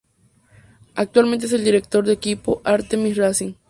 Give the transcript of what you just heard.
Actualmente es el director del equipo Artemis Racing.